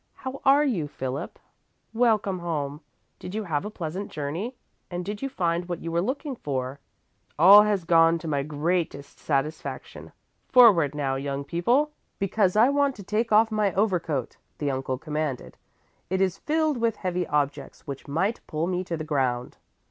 How are you, Philip? Welcome home! Did you have a pleasant journey and did you find what you were looking for?" "All has gone to my greatest satisfaction. Forward now, young people, because I want to take off my overcoat," the uncle commanded. "It is filled with heavy objects which might pull me to the ground."